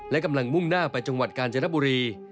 และกำลังมุ่งหน้าไปจังหวัดกาญจนบุรี